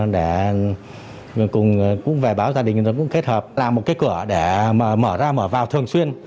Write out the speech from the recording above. để cùng với báo gia đình kết hợp làm một cái cửa để mở ra mở vào thường xuyên